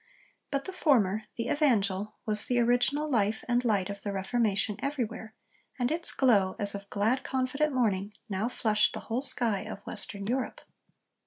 But the former the Evangel was the original life and light of the Reformation everywhere, and its glow as of 'glad confident morning' now flushed the whole sky of Western Europe.